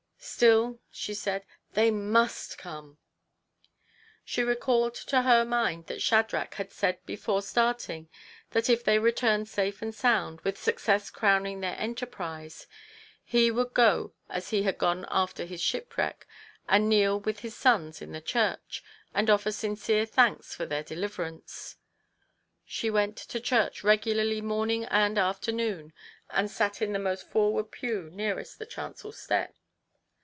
" Still," she said, " they must come !" She recalled to her mind that Shadrach had said before starting that if they returned safe and sound, with success crowning their enter TO PLEASE HIS WIFE. 137 prise, he would go as lie had gone after his shipwreck, and kneel with his sons in the church, and offer sincere thanks for their de liverance. She went to church regularly morning and afternoon, and sat in the most forward pew, nearest the chancel step.